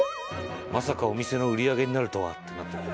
「まさかお店の売り上げになるとは」って。